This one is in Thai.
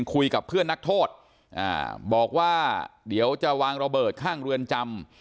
คุยกับเพื่อนนักโทษบอกว่าเดี๋ยวจะวางระเบิดข้างเรือนจำ